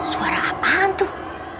suara apaan tuh